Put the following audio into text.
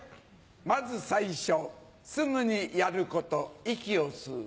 先ず最初すぐにやること息を吸う。